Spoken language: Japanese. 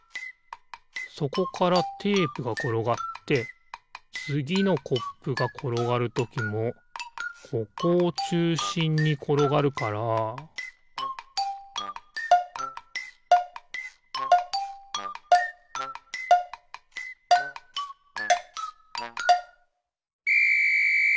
そこからテープがころがってつぎのコップがころがるときもここをちゅうしんにころがるからピッ！